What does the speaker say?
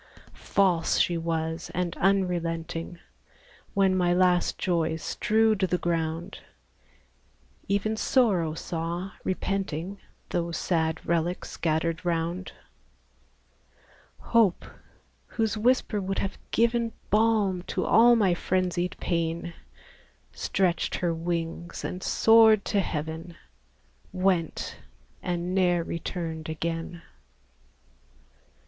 False she was, and unrelenting; When my last joys strewed the ground, Even Sorrow saw, repenting, Those sad relics scattered round; Hope, whose whisper would have given Balm to all my frenzied pain, Stretched her wings, and soared to heaven, Went, and ne'er returned again!